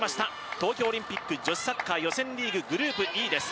東京オリンピック女子サッカー予選リーググループＥです。